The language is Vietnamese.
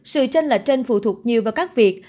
sự tranh lệch trên phụ thuộc nhiều vào các việc